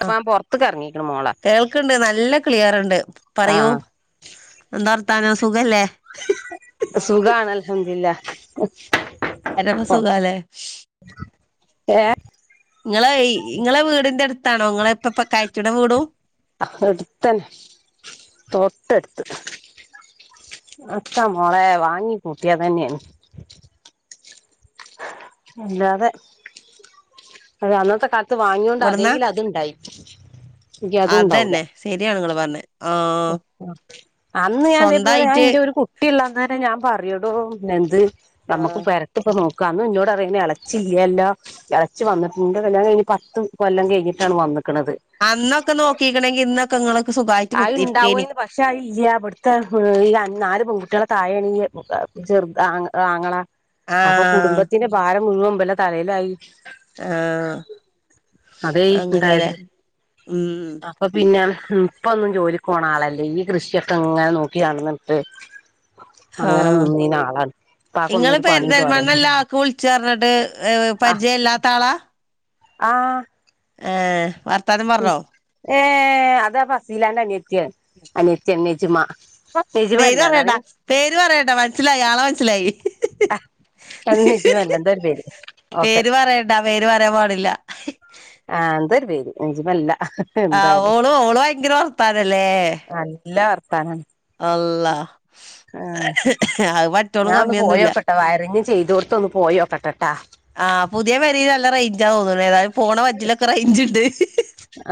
അപ്പ ആ ഞാൻ പൊറത്ത്ക്ക് എറങ്ങിക്ക്ണ് മോളെ കേൾക്ക്‌ണ്ട് നല്ല ക്ലിയർണ്ട് പറയൂ ആഹ് എന്താർഥാനം സു സുഖല്ലേ സുഖാണ് അൽഹംദില്ല പരമ സുഖാല്ലേ ഏ ങ്ങളെ ഇ ങ്ങളെ വീടിന്റെ അടുത്ത് ത്താണോ ങ്ങളെ ഇപ്പ ഇപ്പൊ കയറ്റ്ണ വീടും ത്ത് അത്താ മോളെ വാങ്ങി കൂട്ടിയതന്നേണ് അല്ലാതെ അത അന്നത്തെ കാല ത്ത് വാങ്യൊണ്ട് ഇവിടുന്നാ അതെങ്കിൽ അത്ണ്ടായി ങ്കി അതുണ്ടാവൂല അതന്നെ ശരിയാണ് ഇങ്ങള് പറഞ്ഞെ ആഹ് അന്ന് ഞാൻതേപോലെ ഞാൻ സ്വന്തായിട്ട് എന്റെ ഒരു കുട്ടിള്ളന്ന് തന്നെ ഞാൻ പറയൂ ടൊ നെന്ത് നമ്മുക്ക് ആഹ് പരത്തി ഇപ്പ നോക്ക [unintelligible] ഇന്നോട് അറിയുർന്ന് എളച്ചില്ലല്ലല്ല എളച്ചി വന്നിട്ട് ന്റെ കല്ല്യാണം കഴിഞ്ഞ് പത്ത് കൊല്ലം കഴിഞ്ഞിട്ടാണ് വന്ന് അന്നൊക്കെ നോക്കിക്കണെങ്കിൽ ഇന്ന് ക്ക ങ്ങള് അത്‌ ഉണ്ടാവോന്ന് പക്ഷേ അത് ഇല്ല്യ ഇബ്ട്ത്തെ ഈ നാല് പെൺകുട്ട്യാളൊ തായണീെ ജർ ആഹ് ആങ്ങള അപ്പൊ ആഹ് കുടുംബത്തിന്റെ ഭാരം മുഴുവൻ വല തലയിലായി ആഹ് അതേ അങ്ങനെല്ലെ ഇണ്ടായത് അപ്പൊ പിന്നെ ഇപ്പൊന്നും ജോലിക്ക് പോണ ആളല്ലേ ഈ കൃഷിയൊക്കെ ങ്ങനെ നോക്കി നടന്നിട്ട് അങ്ങനെ ആഹ് നിന്നീന ആളാണ് ഇപ്പാക്കൊന്നും നിങ്ങള് ഒരു പണിയും പെരിന്തൽമണ്ണ തോരൊന്നും ഇല്ല ആൾക്ക് വിളിച്ചറഞ്ഞിട്ട് ഏ ആഹ് പരിചയല്ലാത്ത ആളാ ആഹ് ആഹ് വ തന പറഞ്ഞോ ഏഹ് അതാ ഫസീലാന്റെ അനിയത്തിയ അനിയത്തി നജുമ പേര് പറയണ്ടാ പേര് പറയണ്ട മനസ്സിലായി ആളെ മനസ്സിലായി നെജിമല്ല എന്തോ ഒരു പേര് ഓക്കെ പേര് പറയണ്ടാ പേര് പറയാൻ പാടില്ല ആഹ് എന്തോ ഒരു പേര് നഞ്ചിമല്ല ആഹ് ഓളും ഓളും ഭയങ്കര വർത്താനല്ലേ കാരണം അള്ള അത് മറ്റോളും ഞാൻ ഒന്ന് കമ്മിയൊന്നുല്ല പോയോക്കട്ടെ വയറിങ് ചെയ്തോട്ത്ത് ഒന്ന് പോയോക്കട്ടെട്ടാ ആ പുതിയ പെരീല് നല്ല റേഞ്ച് തോന്ന് തേതായാലും പോണ വജ്ജിലൊക്കെ റയിഞ്ച്ണ്ട്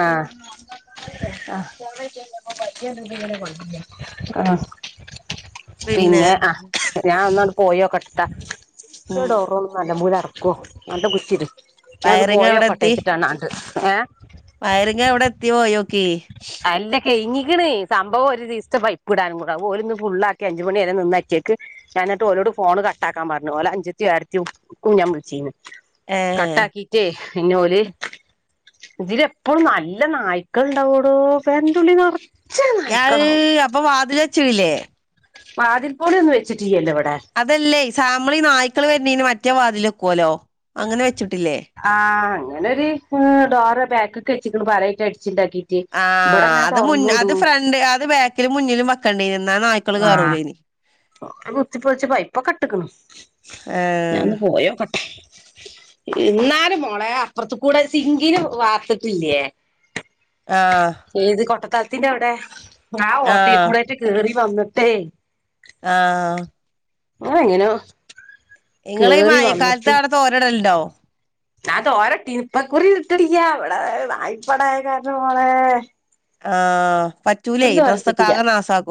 ആഹ് ആ ആഹ് പിന്നെ ആ ഞാൻ ഒന്നോണ്ട് പോയോക്കട്ടെ ത്ത ഈ ഉം ടോറൊന്ന് നല്ലമ്പോലെ അട കോ നല്ലം കുറ്റിടി ഞാ ഒന്ന് വയറിങ് പോയോക്കട്ടേച്ചിട്ടാണ് ആണ്ട് ഏ വയറിങ്ങ് എവിടെ എത്തി പോയോക്കി അല്ല കെയിഞ്ഞിക്ക്ണേ സംഭവം ഒരു ദിസ്ത്തെ പൈപ്പ്ടാനും കൂട ഓല്ന്ന് ഫുള്ളാക്കി അഞ്ചുമണി വരെ നിന്ന അറ്റിയാക്ക് ഞാന് ന്നിട്ട്ഓലോട് ഫോണ് കട്ടാക്കാ പറഞ്ഞു ഓല അഞ്ചതിയും ഏട്ത്തിയും ക്കു ഞാൻ വിൾച്ചീന്ന് ഏ കട്ടാകീറ്റേ പിന്നെ ഓല്. ഇതിലെപ്പളും നല്ല നായ്ക്കള്ണ്ടാവു [unintelligible] അഹ്ഹ് നായ്ക്കളാവും അപ്പൊ വാതിലചോയിലെ വാതിൽ പോലെന്നും വെച്ചിട്ടില്ലല്ലോ വടെ അതല്ലേ സാമളി നായ് കള് വരണേന് മറ്റേ വാതില് വെക്കൂല്ലോ അങ്ങനെ വെച്ച് ആ അങ്ങനെ ഒരു ഡോറ് ബാക്കിക്ക് വെച്ചിക്കിണു പലകേക്കടിച്ച് ആ അത് മുന് അത് ഫ്രണ്ട് അത് ബാക്കിലും മുന്നിലും വെക്കണ്ടിരും ന്നാ നായ് ക്കള് കേറൂലിനി റോഡ് കുത്തിപ്പൊളിച്ച് പൈപ്പൊക്കെട്ടിക്ക്ണ് ഏഹ് ഞാനൊന്നു പോയോക്കട്ടെ എന്നാലും മോളെ അപ്പുറത്തുക്കൂടെ സിങ്കിന് വാർത്തിട്ടില്ലയേ ആ സ്ഥലത്തിൻറെ അവിടെ ആ ഓട്ടക്കൂടെയിട്ട് കേറി വന്നട്ടേ ആ റെ എങ്ങനോ നിങ്ങള് ഈ കേറി മഴക്കാലത്ത് വന്നിട്ട് അവിടെ തൊരനിടലുണ്ടോ ഞാൻ തോരൻ ഇട്ടിനു ഇപ്പക്കുറി ഇട്ടടില്ലൃ ഇവിടെ നായ്പ്പട കാരണം മൊളേ ആ കുറച്ച് കാലത്ത് എത്തില്ലൃ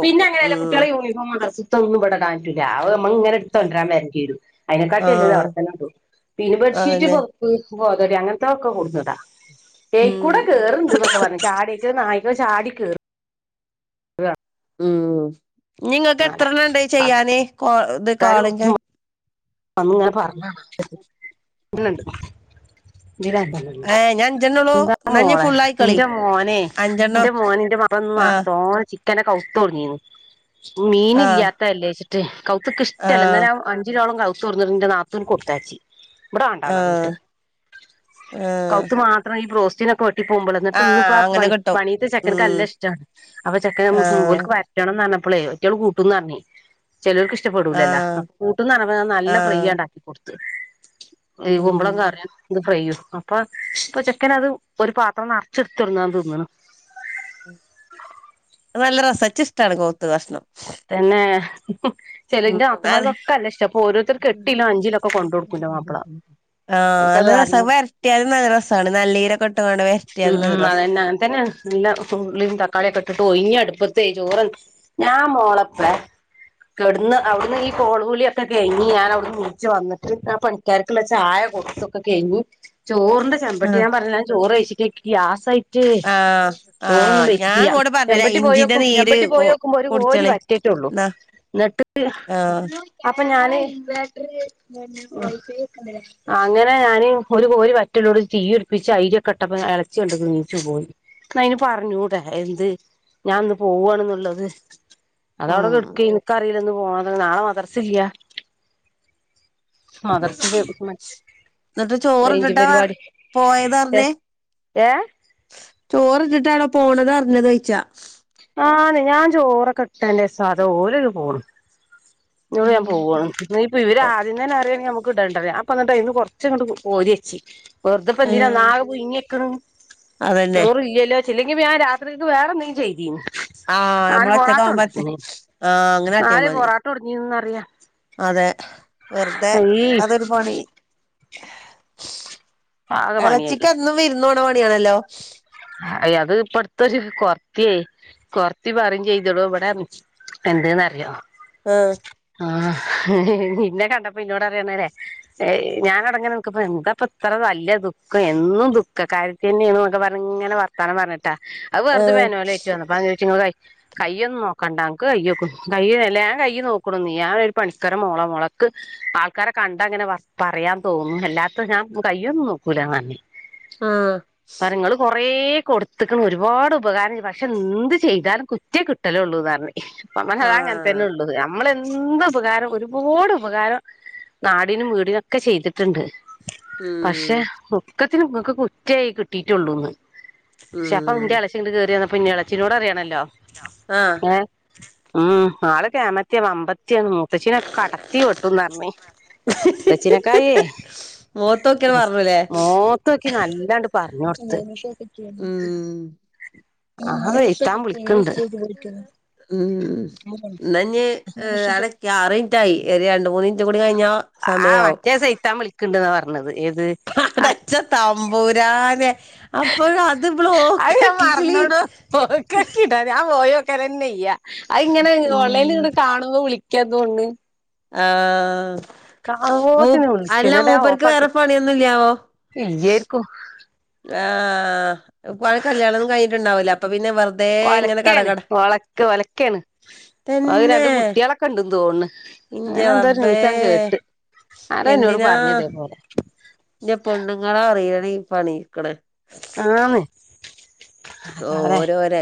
പിന്നെ അങ്ങനെയല്ലേ ഉം കുട്ടികളെ യൂണിഫോം ദറസിലത്തത്തൊന്നും വ്ടെ ഇടാൻ പറ്റൂല അവ് ഇങ്ങനെ എടുത്ത് തൊണ്ടരാൻ വരേണ്ടി വരും അതിനെക്കാട്ടി നല്ലത് ആഹ് അവിടെത്തന്നെടും പിന്നെ ബെഡ്ഷീറ്റ് അതന്നെ പൊതപ്പ് [unintelligible] പോതടി അങ്ങനത്തൊക്കെ കൊണ്ടുന്നിടാം ഉം ഏയ്കൂടെ കേറണുണ്ട് ന്നൊക്കെ ഞ്ഞ് ചാടീട്ട് നായ് പ്പം ചാടി കേറും ഉം നിങ്ങൾക്ക് എത്രയെണ്മൂണ്ട് ചെയ്യാന് കോ [unintelligible] അന്ന് ഇങ്ങനെ പറഞ്ഞാ മനുഷ്യനടുത്ത് ഇതിനൊണ്ട് ഏഹ് ഇഞ്ഞി അഞ്ചെണ്ണൊള്ളൂ എന്താ എന്നാ ഇഞ്ഞി മോളെ ഫുള്ളായിക്കളി ന്റെ മോനെ അഞ്ചെണ്ണം ന്റെ മോനന്റെ [unintelligible] ആഹ് തോന ചിക്കനൊക്കെ തൊടങ്ങീന്ന് മീൻ ആഹ് ഇല്ലാത്തൃല്ലേ റ്റ് കൗത്തുക്ക് ഇഷ്ടല്ല ആഹ് എന്നാലും അ അഞ്ചുരൂയോളം കൗ തൊറന്നുറിന്റെ നാത്തൂൻ കൊടുത്താച്ചി ഇവിടെ ആഹ് വേണ്ടന്ന് ആഹ് കൗത്ത് മാത്രം ഈ പ്ര ചിന്നക്കോട് [unintelligible] പോുമ്പോൾ എന്നി് ഇന്ന ആഹ് ഇ അങ്ങനെ പണി കിട്ടും പണീട്ട് ഉം ചെക്കനക്ക്ല്ല ഇഷ്ടമാണ് അപ്പൊ ആഹ് ചെക്കൻോലക്ക് വരണംന്ന് പറഞ്ഞ അളേ ഒറ്റളള് കൂട്ടുംന്ന് അറിഞ് ചിലവർക്ക് ഇഷ്ടപ്പെടൂലല്ലോ ആഹ് അ കൂട്ടുന്ന്പറഞ്ഞപ്പ നല്ല ഫ്രൈ ആഹ് ഉണ്ടാക്കി കൊടുക്കും അ [unintelligible] ഈ ഉം കുമ്പളം കറൻ ഇത് ഫ്രൈ ചെയ്യും അപ്പൊ ഇപ്പൊ ചെക്കന അത് ഒരു പാത്രം നിറച്ചെടുത്തിടന്നാന്ന് തിന്നുന്നു നല്ല രസച്ച ഇഷ്ടമാണ് പോത്ത് കഷ്ണം പിന്നെ ഉം ചെിലന്റെ അത് അപ്പുമാർൊക്കെ അല്ല ഇഷ്ടം അപ്പൊ ഓരോരുത്തർക്ക് എട്ടിലോ അഞ്ചിലോ ഒക്കെ കൊണ്ട കൊടുക്കൂല്ലോ മാപ്പിള ആഹ് അവൾക്കത് നല്ല രസാ കാരണം വരട്ടിയാലും നല്ല രസാണ് നല്ലീരൊക്കെ ഇട്ട്ങ്ങാണ്ട് ഉ വരട്ടിയാലും നല്ല രസാ അതന്നെ അങ്ങനെത്തന്നെ എല്ല ഉുള്ളിയും തക്കാളിയൊക്കെ ഇട്ടിട്ട് ഒഞ്ഞ അടുപ്പ ചോറ ഞ [unintelligible] മോളപ്പെടന്ന് അവിടുന്ന് ഈ കോളപൂലിയൊക്കെ കഴിഞ്ഞി ഞൻ അവിടുന്ന് മുച്ച്ു വന്നിട്ട് ആ പണിക്കാർക്കുള്ള ചായ കൊടുത്തൊക്കെ കഴിിഞ് ചോറിന്റെ ചെമ്പട്ടി ആഹ് ഞാൻ പറഞ്ഞ ചോറ് വേച്ചിട്ട ഗ്യാസ് ആയിട്ട് ആഹ് ചോറൊന്നും ആഹ് വച്ചിട്ട ഞാൻ ചെയ്യാം ഇങ്ങോട് പറഞ്ഞില്ലേ ചെമ്പട്ടി ഇഞ്ചിന്റെ പോയിോക്കും നീര് ചെമ്പട്ടി കു പോയിോക്കുമ്പോ ഒരു കോ കുടിച്ചളി ന്നാ ആഹ് എന്ന അപ്പൊ ഞാൻ അങ്ങനെ ഞാന് ഒരു കോര് വറ്റല്ലോടെ തീ ഉടിപ്പിച്ച് അയിരൊക്കെട്ടപ്പ ഇളച്ചിണ്ട് നീച്ചു പോയി എന്ന അതിന് പറഞ്ഞൂട എന്ത് ഞാൻന്ന് പോവവാണന്നുള്ളത് അത അവിടെ ആഹ് കെടക്കുവാന് എന്താണ് ഇന്ന് പോണതു നാളെ മദർസില്ല എന്നിട്ട് ചോറ് റേഞ്ച് ഇട്ടിട്ടാ പരിപാടി പോയത് ഏ പറഞ്ഞേ ഏ ചോറിട്ടിട്ടാണോ പോണത അറിഞ്ഞത്ച്ചാ ആന്ന് ഞാൻ ചോറൊക്ക കെ ഇട്ടാന്റെ സാധ ഓരക്ക പോു ഞാൻ ഉം പോകണം ഇപ്പ ഇവ ആദ്യംന്ന അറിയണെങ്ക നമുക്ക് ഇടേണ്ടേ അപ്പൊണ്ട ഇന്ന് കൊറച്ച ഇങ്ങ് ഓരിയച്ചി വെറുതപ്പ എന്തിതിന ആഹ് നാക പോ ഇങ്ങെക്കും അതന്നെ ചോർ ഇല്ലല്ലോ ഇല്ലെങ്കിൽ ഞാൻ രാത്രിത് വേറെന്തങ്കും ചെയ്തിും ആഹ നമ്മളച്ചക്ക മറ്റേ ആഹ അങ്ങനാട്ട്യം നാല് മന പൊറാട്ട കൊടന്നീന്നറിയാ അതെ വെറുതെ ഈ അതൊരു പണി ആകെ പണിയായി ഇളച്ചക്ക്ന്നും വ ുന്നോണവാണിയണല്ലോ അ അത് ഇപ്പടുത്തരു കൊറത്തിയ കൊർത്തി പറയും ചെയ്തടൂ ഇവിടെ എന്തന്നറിയോ ആഹ് ആഹ നിന്നെ കണ്ടപ്പോ ഇന്നോട് അറിയണല്ലേ ഞാൻ അടങ്ങി നക്കപ്പ എന്താപ്പ ഇത്ര നല്ല ദുഃഖം എന്നും ദുഃഖ കാര്യത്തി തന്നെയണക്കെ പറ അങ്ങനെ വർത്താനം പറഞ്ഞിട്ട് ആ അത് ആഹ് വെറുതേനോ ഏറ്റന്ന അ ചോ കയ്യൊന്നും നോക്കണ്ട ക്ക് കയ്യോ കയ്യല്ല ാൻ കയ്യ നോക്കണ നീ ഞാൻ ഒരു പണിക്കര മുോള മുോളക് ആൾക്കാരെ കണ്ടങ്ങനെ പറയാൻ തോന്നുന്നു എല്ലാത്തും ഞാൻ കയ്യൊന്നും നോക്കൂലന്നന്നെ ആഹ അേ കൊടുത്തക്കണ ഒരുപാട് ഉപകാരം പക്ഷെ എന്ത് ചെയ്താലും കുറ്റേ കിട്ടലേ ഉള്ളു ഇാാരണ അനതാങ്ങനെ ആഹ് തന്നെള്ളു നമ്മളെന്ത് എന്ത ഉപകാരം ഒരുപാട് ഉപകാരം നാടിനും വീടിനൊക്കെ ചെയ്തിട്ട് ട്ടുണ്ട് പക്ഷെ ഉം പക്കത്തിന്ങ്ങക്കക്ക് കുറ്റയായി കിട്ടിയിട്ടുള്ളൂന്ന് പക്ഷെപ്പം ഉം ഉന്റെ അലച്ച ഇ് കയറിയ പിന്നട് ചിനോട്റിയാല്ല ആഹ് ഏ ഉം ആൾക്കെമത്തിയാ വമ്പത്തി ത്തിാണ് മൂത്തച്ച്ചിനൊക്കെ കടത്തി വെട്ടുംന്ന് പറഞ്ഞ മുത്തച്ചനൊക്കെ ആയിേ മോത്തോക്കിയാണ് പറഞ്ഞൂല്ലേ മൂത്തൊക്കി നല്ലാണ്ട് പറഞ്ഞ കൊടുത്ത് ഉം ആതല ഉം എന്നഞ്ഞ് അടക്ക് ആറ മിനിറ്റായി ഒരു രണ്ട മൂന്ന മിനിറ്റ് കൂടി കഴിഞ്ഞ സമയവും ഉത് പടച്ച തമ്പൂരാനെ അപ്പോഴത് അത ബ്ലോക്ക് ഞാൻ ആക്കിക്കിളി മറന്നോട പോക്കക്കിട്ടാത ആ പോയ കരെയ്യാ അത് ഇങ്ങനെ ഉം ഓൺലൈനിൽ ഇടെ കാണുമ്പോ വിളിക്കും തുകൊണ്ട് ആ ആ ഓത്തിന്ന ഉളസ്ക്കന അതാ ഓഫ് ആാക്കി വേറെ പണിയൊന്നുംല്ലാവോ ഇയ്യർക്കും ആ കല്യാണംൊന്നും കഴഞ്ഞിട്ടുണ്ടാവില്ല അപ്പൊ പിന്നെ വ ഒലക്കയാണ് ഒലക്ക ഒലക്കയാണ് അവ രണ്ട് തന്നെ കുട്ടികളൊക്കെ ഇണ്ട് തോന്നന്ന് ഇന്റെ അങ്ങനെ എന്തോ റബ്ബേ ന്യൂസ ഞൻ കേട്ട് ആര എന്നോട് പറഞ്ഞതേ പോലെ ഇ പൊണ്ുങ്ങളാ രണ പി ഇടെ ആ ഓരോര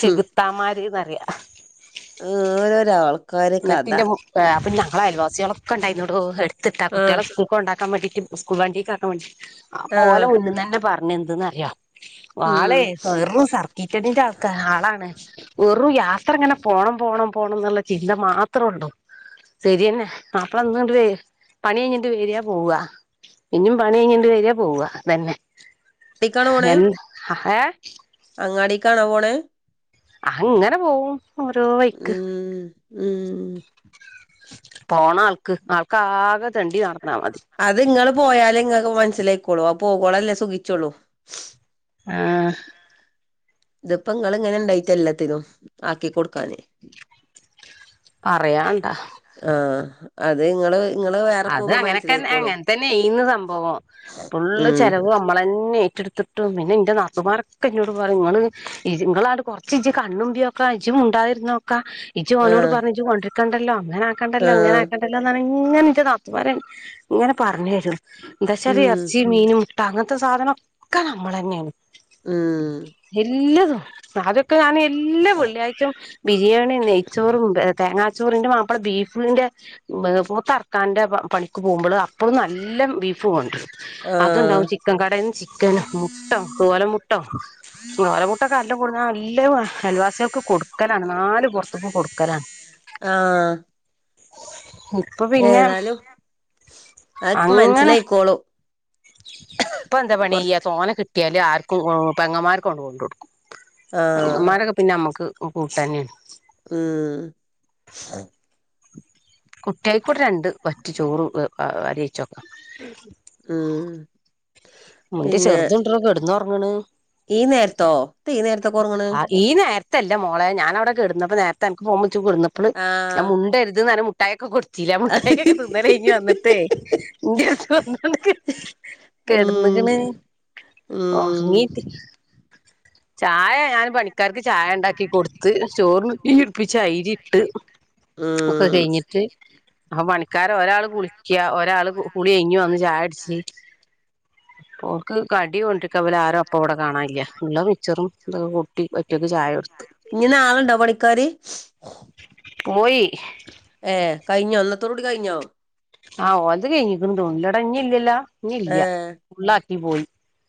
ചെകുത്താന്മാര്ന്നറിയാ ഓരോ ഒരാൾ നെട്ടിന്റെ അപ്പൊ ഞങ്ങളെ അയൽവാസികള ഒക്ക ഉണ്ടായിന്നോടോ ത്ത്ട്ടാ ആഹ് കുട്യോളെ സ്ക്കൂൾക്ക് കൊണ്ടാക്കാൻ മടി ക്ക് സ്കൂൾ വണ്ടിക്ക് ആക്കൻ വ ആ പോ ആഹ് ഓലെ മൂന്ന്ന്നന്നെ പറ ന്നെഎന്തന്ന്റിയോ ഉം ആളെ വെറും സർക്കീറ്റടിൻ്റെ ആൾക്കാ ആളാണ് വെറും യാത്ര ഇങ്ങനെ പോണം പോണം പോണം എന്ന ചി ചിന്ത മാത്രള്ളൂ സരിയന്നെ മാപ്പള ഇന്ന് ണ്ട് വെ പണി കയ്ഞ്ഞിട്ട് വരാ പോവാ ഇഞ്ഞും പണി കയിഞ്ഞിണ്ട് വരാ പോവ അതന്നെ ടിക്കണോണ് ഏ അങ്ങാടീകാണോ പോണ് അഹ് ഇങ്ങനെ പോവും ഓരോ വൈക്ക് ഉം ഉം പോണ ആൾക്ക് ആൾക്കാകെ തെണ്ടി നടന്നാ മതി അത്ങ്ങള് പോയാലേ ഇങ്ങക്ക് മൻ സിലായ്ക്കോളൂ ആ പോകോളല്ലേ സുഖിച്ചൊള്ളൂ ആഹ് ഇത്പ്പങ്ങള് ങ്ങനെ ഇണ്ടായിട്ട എല്ലത്തിതും ആക്കി കൊടുക്കാന് പറയാണ്ട അതെ ഇങ്ങള് ഇങ്ങള് വേറെ അത് പോകുമ്പോ അങ്ങനെക്കൻ മനസ്സിലായിക്കോളും അങ്ങനെ തന്നേന്ന് സംഭവം ഫുള്ള് ഉം ചെലവ് അമ്മളന്നെ ഏറ്റെട്ത്ത്ട്ടും പിന്നെ ഇന്റെ നാ ത്തൂമാരൊക്കെ ഇന്നോട് പറിം ഇങ്ങള് ഇങ്ങളങ്ങട്ട് കൊറച്ച് ഇജ്ജ് കണ്ണ്മ്പ്യോക്ക ഇജ്ജ് മുണ്ടായിരുന്നോക്കാ ഇജ്ജ് ഓനോട് ആഹ് പറഞ്ഞ് ഇജ്ജ് കൊണ്ടിരിക്കണ്ടല്ലോ അങ്ങനാക്കണ്ടല്ലോ ആഹ് ഇങ്ങനാക്കണ്ടല്ലോന്നാണ് ഇങ്ങനെ ഇൻ്റെ നാത്തൂന്മാരെയ് ഇങ്ങനെ പറഞ്ഞെ രും ദശ [unintelligible] ഉം എറച്ചിം മീനും ട്ട അങ്ങൻത്ത സാധനം ഒക്കെ നമ്മളന്നേണ് മ് [unintelligible] ക്ക് ആനേ എല്ലാ വെള്ളിയാഴ്ച്ചേം ബിരിയാണീം നെയ്ച്ചോറും ബെ തേങ്ങാ ചോറിന്റെ മാപ്പള ബീഫ്ന്റെ വ് പോത്തർ ക്കാൻ്റെ പണിക്ക് പോവുമ്പള് അപ്പളും നല്ല് ബീഫ് കൊണ്ട്രും ആഹ് അത്ണ്ടാവും ചിക്കൻ കടേന്ന് ചിക്കൻ മുട്ടോ കോല മുട്ടോ കോല മുട്ടൊക്കെ അല്ലം കൊട്ന്നാ അൽ എല്ലാവുംഅയൽവാസ്യോൾക്ക് കൊടുക്കലാണ് നാല് പൊറത്ത്ക്കും കൊടുക്കലാണ് ഇപ്പൊ പിന്നെ ഏതാലും അതൊക്കെ മനസിലായിക്കോളൂ പ്പൊ എന്താ പണി എയ്യാ തോനെ കിട്ടിയില് ആർ കൊ ഒ പെങ്ങന്മാർക്കാണ്ട് കൊണ്ട് കൊടുക്കും അ ആഹ് പെങ്ങമ്മാരൊക്കെ പിന്നെ അമ്മക്ക് ക്ക് കൂട്ടനേണ് ഉം കുട്ടിയേക്ക്വടെ രണ്ട് വറ്റ് ചോറ് [unintelligible] അ അരിച്ചൊക്ക ഉം ഇൻ്റെ പിന്നെ ചെറുത് ഉണ്ട്ര കെടുന്നൊ റങ്ണ് ഈ നേര്ത്തോ എത്ത ഈ നേരത്തൊകെ ഒറങ്ങണ് ത്ത്അല്ല മോളേ ഞാനവിടെ കെടന്നപ്പോ നേരത്തെ അൻക്ക് ഫോൺ വി ൾച്ചു കെടന്നപ്പള് ഞാൻ ആഹ് മുണ്ടര്ത് ന്നർ ട്ടായക്ക കൊട് ത്തിലേ മുഠായിക്കൊക്ക തിന്നലയ്ഞ്ഞ് വന്നിട്ടേ ഇൻ്റെട്ത്ത് വന്നാണ്ട് [unintelligible] കെട് ന്ന്ക്ണ് ഉം ഉം ഒർങ്ങീട്ട് ചായ യാൻ പണിക്കാർക്ക് ചായ ഉണ്ടാക്കി കൊടുത്ത് ചോറിന് തീയുട്പ്പിച്ച് അയ്രിട്ട് ഒക്കെ ഉം കഴിഞ്ഞിട്ട് ആ പണി ക്കാര ഒരാള് കുളി ക്ക്യാ ഒരാൾ കുളി കഴിഞ്ഞ് വന്ന് ചായുട്ച്ച് പ്പൊർ ഇള്ള മിച്ചറും ഇതൊക്കെ കൂട്ടി ഒറ്റക്ക് ചായ കൊടുത്ത് ഇഞ്ഞ് നാളണ്ടോ പണിക്കാര് പോയി ഏ കഴിഞ്ഞോ ഇന്നത്തോട് കൂടി കഴിഞ്ഞോ ആ ഓലത് കഴ്ഞ്ഞിക്കുണു തോന്നുണ് ഇല്ലട ഇഞ്ഞി ഇല്ലല്ലോ ഇനി ഇല്ല ഏഹ് ഫുള്ളാക്കി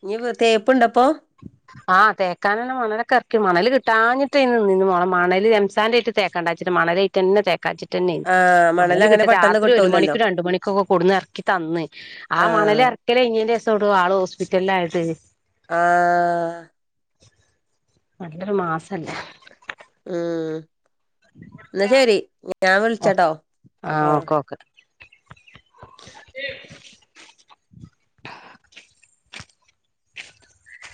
ഇനി ഇഞ് തേപ്പ് ണ്ടപ്പോ ആ തേക്കാനെന്നെ മണലക്കെ എർക്കി മണൽ കിട്ടാഞ്ഞിട്ടേ നിന്നീനു മൊളേ നിന്ന് മണൽ എംസാൻറ് അയ്ട്ട്തേക്കണ്ടാച്ചിട്ട് മണലായിട്ടന്നെ തേ ക്കാച്ചിട്ടന്നെ ആ മണല് മണൽ അങ്ങനെ കിട്ട പെട്ടെന്ന് രാത്രി ഒരു കിട്ടൂലല്ലോ മണിക്കും രണ്ടുമണിക്ക് ഒക്കെ കൊടുന്ന് എറക്കി തന്ന് ആ മണൽ എറക്കല് കൈഞ്ഞേന്റെ ഷം [unintelligible] ആള് ഹോസ്പിറ്റലിൽ ആയിട്ടേ ആ നല്ലൊരു മാസല്ലേ ഊം ഇന്നാ ശരി ഞാൻ ഓഹ് വിളിച്ചട്ടോ ആഹ് ആ [unintelligible]